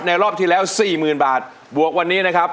รอบที่แล้ว๔๐๐๐บาทบวกวันนี้นะครับ